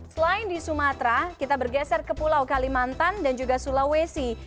selain di sumatera kita bergeser ke pulau kalimantan dan juga sulawesi